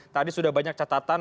tadi sudah banyak catatan